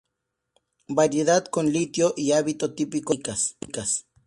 Variedad con litio y hábito típico de las micas.